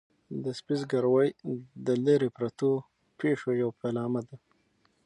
د سپي زګیروی د لیرې پرتو پېښو یو پیلامه ده.